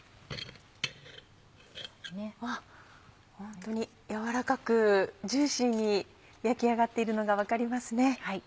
ホントに軟らかくジューシーに焼き上がっているのが分かりますね。